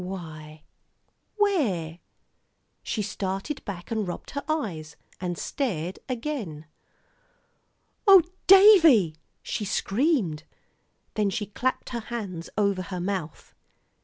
"Why where " she started back and rubbed her eyes, and stared again. "Oh! Davie," she screamed. Then she clapped her hands over her mouth.